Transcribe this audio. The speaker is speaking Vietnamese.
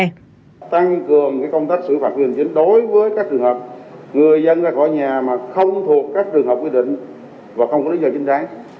tăng cường công tác xử phạt hành chính đối với các trường hợp người dân ra khỏi nhà mà không thuộc các trường hợp quy định và không có lý do chính đáng